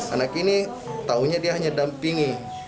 anak ini taunya dia hanya dampingi